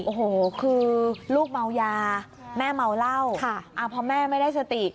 โอ้โหคือลูกเมายาแม่เมาเหล้าค่ะอ่าพอแม่ไม่ได้สติ